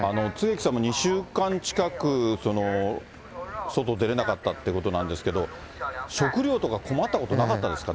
槻木さんも２週間近く、外出れなかったということなんですけど、食料とか困ったことなかったですか。